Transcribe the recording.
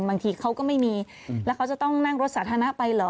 บางทีเขาก็ไม่มีแล้วเขาจะต้องนั่งรถสาธารณะไปเหรอ